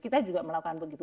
kita juga melakukan begitu